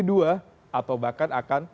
dua atau bahkan akan